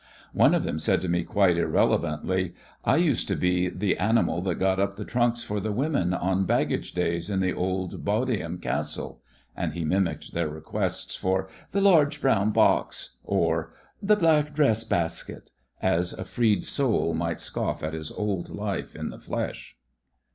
One of them said to me quite irrelevantly: "I used to be the animal that got up the trunks for the women on bag gage days in the old Bodiam Castle," and he mimicked their requests for "the large brown box," or "the black dress basket," as a freed soul might scoff at his old life in the flesh.